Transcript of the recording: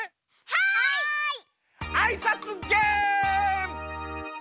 はい！